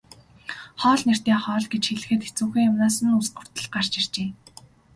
Хоол нэртэй хоол гэж хэлэхэд хэцүүхэн юмнаас нь үс хүртэл гарч иржээ.